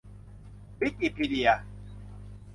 วิกิพีเดีย